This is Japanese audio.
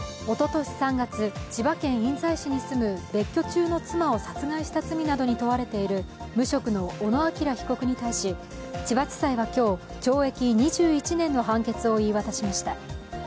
おととし３月、千葉県印西市に住む別居中の妻を殺害した罪などに問われている無職の小野陽被告に対し千葉地裁は今日懲役２１年の判決を言い渡しました。